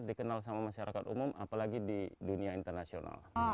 dikenal sama masyarakat umum apalagi di dunia internasional